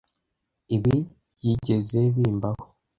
Ibi byigeze bimbaho.